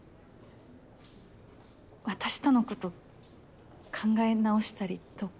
私とのこと考え直したりとか。